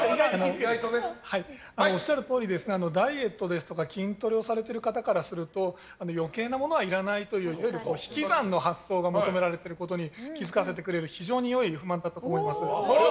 おっしゃるとおりダイエットですとか筋トレをされている方からすると余計なものはいらないといういわゆる引き算の発想が求められていることに気づかさせてくれる非常に良い不満だったと思います。